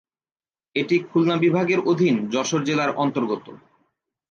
এটি খুলনা বিভাগের অধীন যশোর জেলার অন্তর্গত।